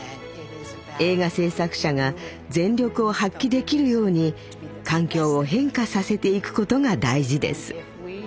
映画製作者が全力を発揮できるように環境を変化させていくことが大事です。